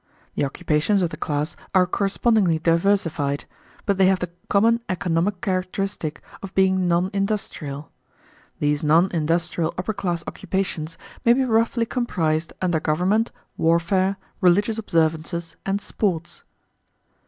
The occupations of the class are correspondingly diversified; but they have the common economic characteristic of being non industrial. These non industrial upper class occupations may be roughly comprised under government, warfare, religious observances, and sports.